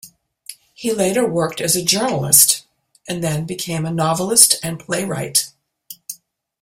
He later worked as a journalist, and then became a novelist and playwright.